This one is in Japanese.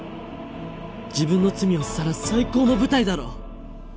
自分の罪をさらす最高の舞台だろ！